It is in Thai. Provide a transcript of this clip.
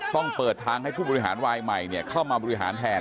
ต้องเปิดทางให้ผู้บริหารวายใหม่เข้ามาบริหารแทน